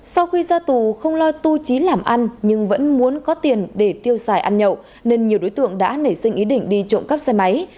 sau khi ra tù không lo tu trí làm ăn nhưng vẫn muốn có tiền để tiêu xài ăn nhậu nên nhiều đối tượng đã nảy sinh ý định đi trộm cắp xe máy